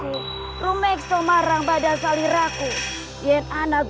ini bulan bulan bernama